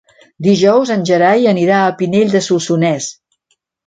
Dijous en Gerai anirà a Pinell de Solsonès.